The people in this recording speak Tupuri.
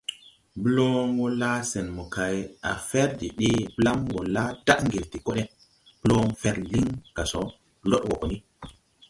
Bloon wɔ laa sen mokay, a fɛr de dee blam wɔ la daʼ ngel de kode. Bloon fɛrle lin ga so, lod wɔ gɔ ni.